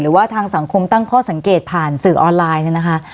หรือว่าทางสังคมตั้งข้อสังเกตผ่านสื่อออนไลน์